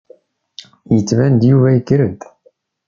Yettban-d Yuba yerked.